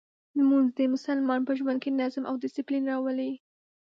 لمونځ د مسلمان په ژوند کې نظم او دسپلین راولي.